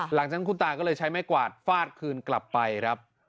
หลังจากนั้นคุณตาก็เลยใช้ไม้กวาดฟาดคืนกลับไปครับ